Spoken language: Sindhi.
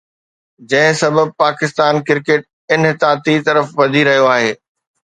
جنهن سبب پاڪستان ڪرڪيٽ انحطاطي طرف وڌي رهي آهي